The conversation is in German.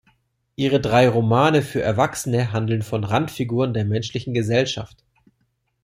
Ihre drei Romane für Erwachsene handeln von Randfiguren der menschlichen Gesellschaft.